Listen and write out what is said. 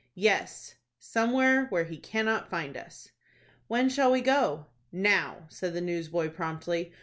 "Yes, somewhere where he cannot find us." "When shall we go?" "Now," said the newsboy, promptly.